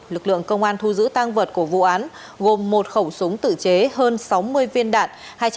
lực lượng công an thu giữ tang vật của vụ án gồm một khẩu súng tự chế hơn sáu mươi viên đạn